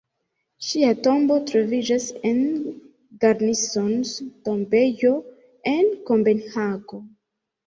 Ŝia tombo troviĝas en Garnisons-Tombejo, en Kopenhago.